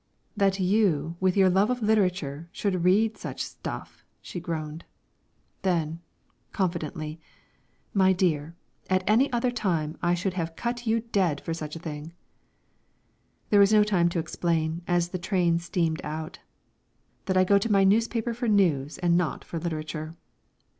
"That you, with your love of literature, should read such stuff!" she groaned. Then, confidently: "My dear, at any other time I should have cut you dead for such a thing." There was no time to explain, as the train steamed out, that I go to my newspaper for news and not for literature.